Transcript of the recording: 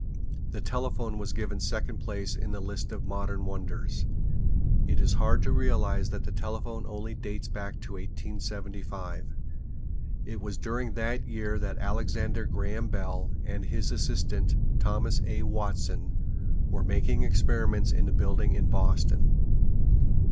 The telephone was given second place in the list of modern wonders. It is hard to realize that the telephone only dates back to 1875. It was during that year that Alexander Graham Bell and his assistant, Thomas A. Watson, were making experiments in a building in Boston.